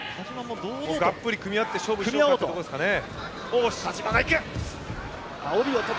がっぷり組み合って勝負しようというところですね。